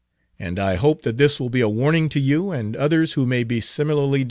And I hope that this will be a warning to you and others who may be similarly 1.